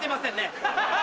ハハハ！